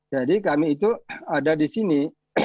jadi kami itu ada di sini